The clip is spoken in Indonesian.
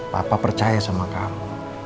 papa percaya sama kamu